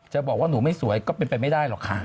จะบอกว่าหนูไม่สวยก็เป็นไปไม่ได้หรอกค่ะ